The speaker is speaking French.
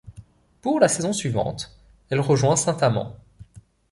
Pour la saison suivante, elle rejoint Saint-Amand.